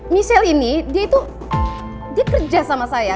michelle ini dia itu dia kerja sama saya